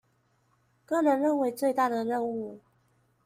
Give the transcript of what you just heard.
個人認為最大的任務